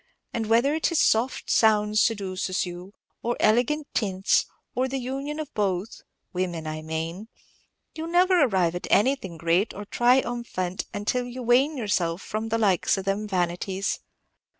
And whether it is soft sounds seduces you, or elegant tints, or the union of both, women, I mane, you 'll never arrive at anything great or tri um phant till you wane yourself away from the likes of them vanities.